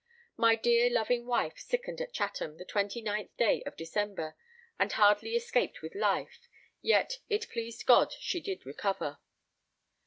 My dear loving wife sickened at Chatham the 29th day of December, and hardly escaped with life, yet it pleased God she did recover.